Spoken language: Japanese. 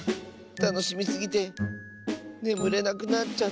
たのしみすぎてねむれなくなっちゃった。